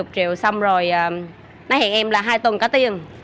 hai mươi triệu xong rồi nó hẹn em là hai tuần có tiền